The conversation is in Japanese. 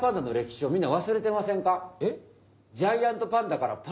えっ？